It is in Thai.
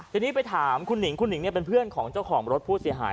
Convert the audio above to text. ทีนี้ไปถามคุณหนิงคุณหิงเป็นเพื่อนของเจ้าของรถผู้เสียหาย